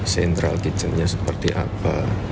sentral kitchen nya seperti apa